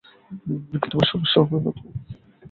এতে তোমার সমস্যা হবে না তো?